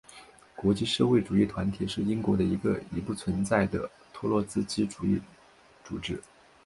国际社会主义团体是英国的一个已不存在的托洛茨基主义组织。